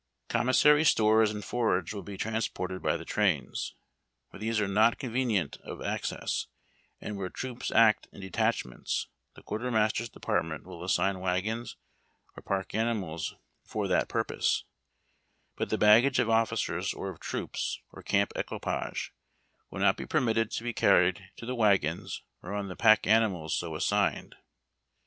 Commissary stores and forage will be transported by the trains. Where these are not conveniemt of access, and where troops act in detachments, the Quartermaster's Department will assign wagons or pack animals for that purpose; but the baggage of officers, or of troops, or camp equipage, will not be permitted to be carried in the wagons or on the pack animals so assigned.